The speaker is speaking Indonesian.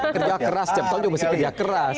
kerja keras setiap tahun juga mesti kerja keras